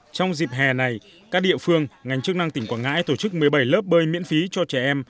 trong dịp hè này các địa phương ngành chức năng tỉnh quảng ngãi tổ chức một mươi bảy lớp bơi miễn phí cho trẻ em